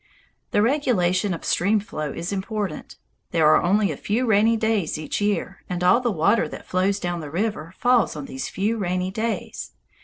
The regulation of stream flow is important. There are only a few rainy days each year, and all the water that flows down the rivers falls on these few rainy days.